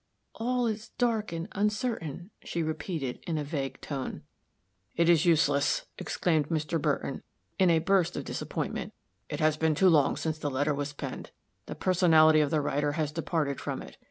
"All is dark and uncertain," she repeated, in a vague tone. "It is useless," exclaimed Mr. Burton, in a burst of disappointment; "it has been too long since the letter was penned. The personality of the writer has departed from it.